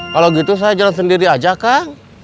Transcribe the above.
kalau gitu saya jalan sendiri aja kang